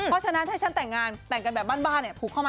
เพราะฉะนั้นถ้าแต่งงานแต่งกันแบบบ้าน